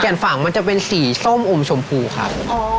ฝั่งมันจะเป็นสีส้มอมชมพูครับ